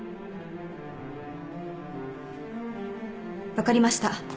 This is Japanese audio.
分かりました。